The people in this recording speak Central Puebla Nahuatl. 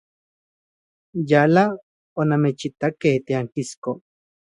Yala onannechitakej tiankisko.